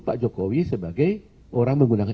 pak jokowi sebagai orang menggunakan